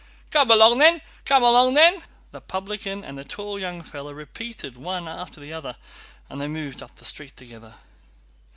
"Come along then! Come along then!" the publican and the tall young fellow repeated one after the other, and they moved up the street together.